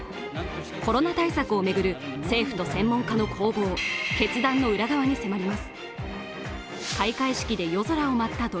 コロナ対策をめぐる政府と専門家の攻防、決断の裏側に迫ります。